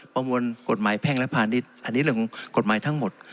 ประมวลกฎหมายแพ่งและพาณิชย์อันนี้เรื่องของกฎหมายทั้งหมด